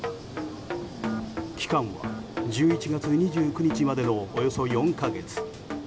期間は１１月２９日までのおよそ４か月。